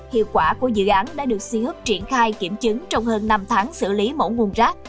hiệu quả của dự án đã được si hức triển khai kiểm chứng trong hơn năm tháng xử lý mẫu nguồn rác